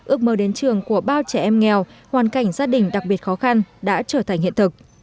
ước mơ đến trường của bao trẻ em nghèo hoàn cảnh gia đình đặc biệt khó khăn đã trở thành hiện thực